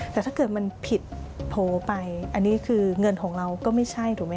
แต่ถ้าเกิดมันผิดโผล่ไปอันนี้คือเงินของเราก็ไม่ใช่ถูกไหม